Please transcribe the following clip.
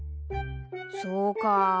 そうか。